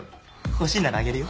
欲しいならあげるよ。